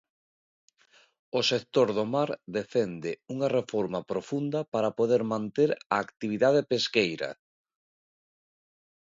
O sector do mar defende unha reforma profunda para poder manter a actividade pesqueira.